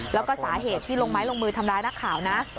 แล้วก็สาเหตุที่ลงไม้ลงมือทำร้ายนักข่าวนะ